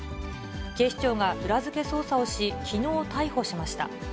警視庁が裏付け捜査をし、きのう逮捕しました。